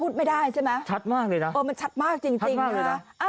นี่ไงชัดมากเลยนะชัดมากเลยนะ